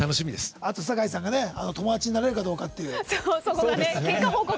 あと酒井さんが友達になれるかどうかっていう。